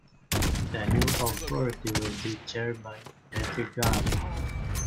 The new authority will be chaired by Patrick Garnett.